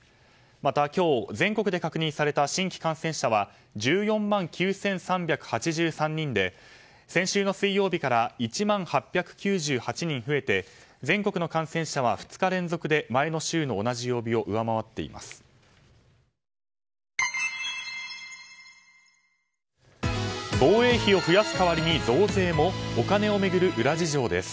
また今日、全国で確認された新規感染者は１４万９３８３人で先週の水曜日から１万８９８人増えて全国の感染者は２日連続で前の週の同じ曜日を上回っています。